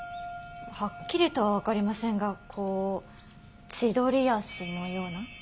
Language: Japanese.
はっきりとは分かりませんがこう千鳥足のような。